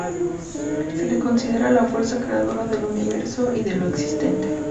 Se lo considera la fuerza creadora del universo y de lo existente.